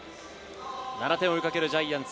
７点を追いかけるジャイアンツ。